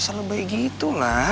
kamu buat kesalah kekosongan kekasih